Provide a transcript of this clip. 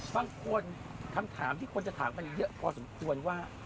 คำถามที่คนจะถามกันเยอะพอสมควรว่า